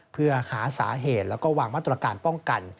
เพื่อหาสาเหตุแล้วก็วางมาตรการป้องกัน